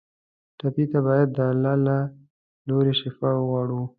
ټپي ته باید د الله له لورې شفا وغواړو.